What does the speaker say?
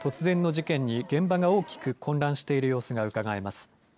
事件に現場が大きく混乱している様子がうかがえます。